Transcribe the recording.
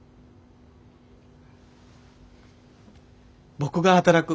僕が働く。